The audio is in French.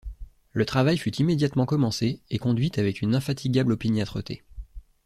Le travail fut immédiatement commencé et conduit avec une infatigable opiniâtreté.